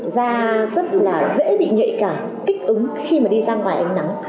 da rất là dễ bị nhạy cảm kích ứng khi mà đi ra ngoài ánh nắng